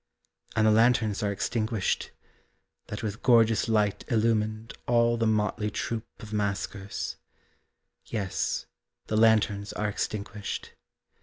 And the lanterns are extinguished, That with gorgeous light illumined All the motley troop of maskers Yes, the lanterns are extinguished.